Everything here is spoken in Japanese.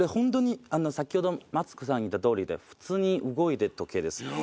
先ほどマツコさん言った通りで普通に動いてる時計です。